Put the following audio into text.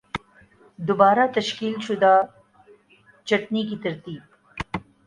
دوبارہ تشکیل شدہ چھٹنی کی ترتیب